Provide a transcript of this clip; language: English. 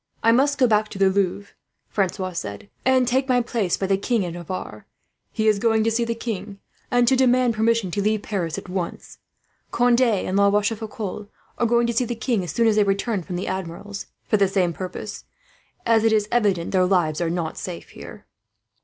"I must go back to the Louvre," Francois said, "and take my place by the King of Navarre. He is going to see the king, and to demand permission to leave Paris at once. Conde and La Rochefoucault are going to see the king, as soon as they return from the Admiral's, for the same purpose; as it is evident their lives are not safe here."